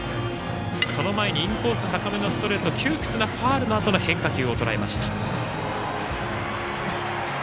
その前にインコース高めのストレート窮屈なファウルのあとの変化球をとらえました。